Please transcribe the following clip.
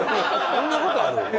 そんな事ある？